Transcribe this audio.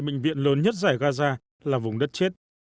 bệnh viện lớn nhất giải gaza là vùng đất chết